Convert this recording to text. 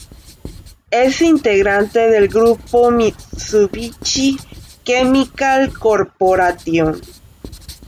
Es integrante del grupo Mitsubishi Chemical Corporation.